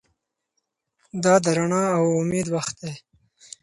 دا د رڼا او امید وخت دی.